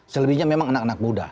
selebihnya memang anak anak muda